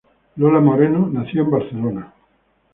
Lola Moreno nació en Barcelona.